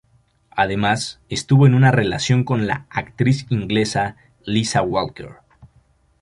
Además, estuvo en una relación con la actriz inglesa Liza Walker.